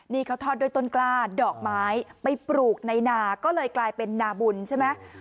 นี่เขาทอดด้วยต้นกล้าดอกไม้ไปปลูกในนาก็เลยกลายเป็นนาบุญใช่ไหม